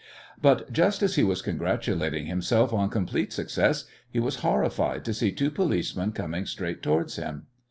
But just as he was congratulating himself on complete success he was horrified to see two policemen coming straight towards him.